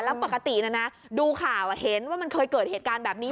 แล้วปกตินะนะดูข่าวเห็นว่ามันเคยเกิดเหตุการณ์แบบนี้